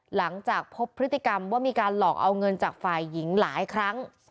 หลังจากพบพฤติกรรมว่ามีการหลอกเอาเงินจากฝ่ายหญิงหลายครั้ง